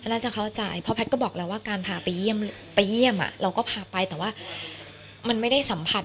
น่าจะเข้าใจเพราะแพทย์ก็บอกแล้วว่าการพาไปเยี่ยมเราก็พาไปแต่ว่ามันไม่ได้สัมผัส